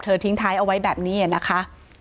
ทิ้งท้ายเอาไว้แบบนี้นะคะ